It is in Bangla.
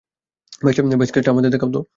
বেশ, কেসটা আমাদের দেখাও।